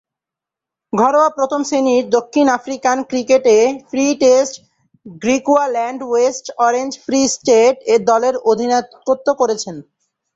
ঘরোয়া প্রথম-শ্রেণীর দক্ষিণ আফ্রিকান ক্রিকেটে Free State, Griqualand West, Orange Free State দলের প্রতিনিধিত্ব করেন।